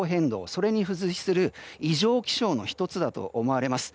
それに付随する異常気象の１つだと思われます。